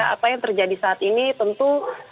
apa yang terjadi saat ini tentu